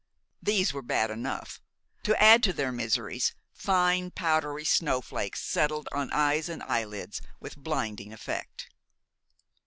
These were bad enough. To add to their miseries, fine, powdery snowflakes settled on eyes and eyelids with blinding effect.